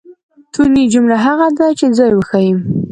توني؛ جمله هغه ده، چي ځای وښیي.